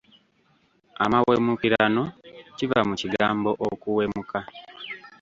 Amawemukirano kiva mu kigambo okuweemuka.